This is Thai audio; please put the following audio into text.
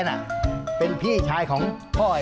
แจ้าแจ้ามาแล้วแจ้า